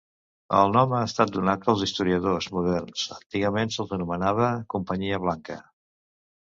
El nom ha estat donat pels historiadors moderns, antigament se'ls anomenava companyia blanca.